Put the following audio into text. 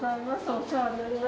お世話になります。